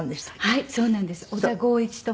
はい。